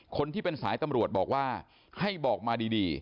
คนที่เป็นสายตำรวจบอกว่าให้บอกมาดี